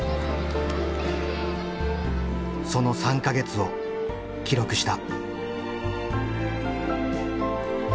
その３か月を記録した。